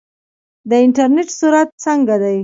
د انټرنیټ سرعت څنګه دی؟